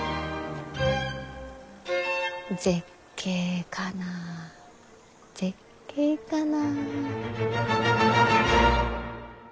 「絶景かな絶景かな」。